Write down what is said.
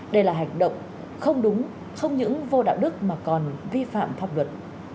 đây là hành động không đúng không những vô đạo đức mà còn vi phạm pháp luật